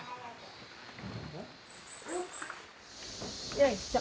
よいしょ。